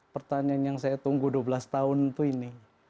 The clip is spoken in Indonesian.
pertanyaan yang saya tunggu dua belas tahun itu ini